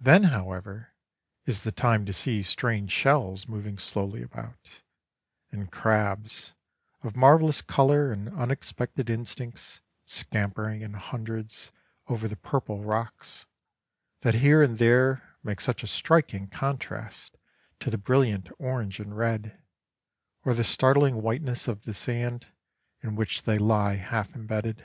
Then, however, is the time to see strange shells moving slowly about, and crabs, of marvellous colour and unexpected instincts, scampering in hundreds over the purple rocks, that here and there make such a striking contrast to the brilliant orange and red, or the startling whiteness of the sand in which they lie half embedded.